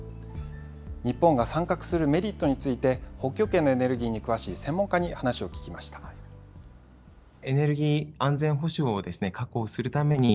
日本が参画するメリットについて、北極圏のエネルギーに詳しい専門家に話を聞きました。